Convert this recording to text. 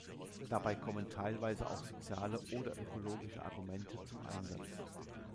Dabei kommen teilweise auch soziale oder ökologische Argumente zum Einsatz.